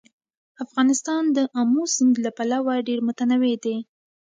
افغانستان د آمو سیند له پلوه ډېر متنوع دی.